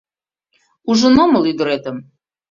Ужын омыл ӱдыретым.